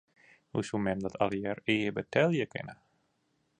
Hoe soe mem dat allegearre ea betelje kinne?